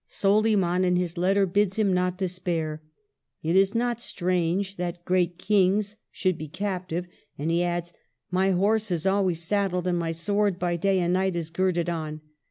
Soliman, in his letter, bids him not despair. It is not strange that great kings should be captive. 'j And he adds, *' My horse is always saddled, and my sword by day and night is girdled on."